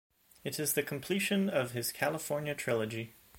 It is the completion of his California trilogy.